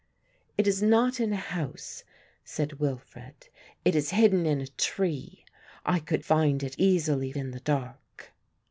"It is not in a house," said Wilfred; "it is hidden in a tree. I could find it easily in the dark."